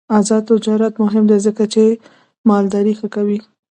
آزاد تجارت مهم دی ځکه چې مالداري ښه کوي.